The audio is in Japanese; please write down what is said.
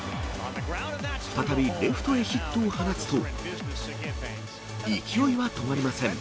再びレフトへヒットを放つと、勢いは止まりません。